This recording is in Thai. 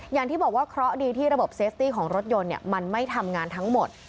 อย่างที่บอกว่าเคราะห์ดีที่ระบบเซฟตี้ของรถยนต์มันไม่ทำงานทั้งหมด